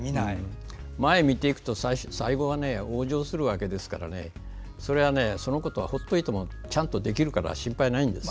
前見ていくと最後は往生するわけですからそのことはほっといてもちゃんとできるから心配ないんです。